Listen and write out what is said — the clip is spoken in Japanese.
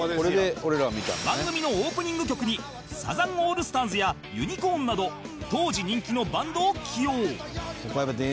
番組のオープニング曲にサザンオールスターズやユニコーンなど当時人気のバンドを起用